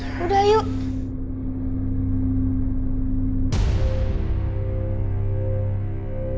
jalan jalan siap siap ya